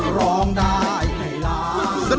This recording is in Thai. เพื่อร้องได้ให้ร้าน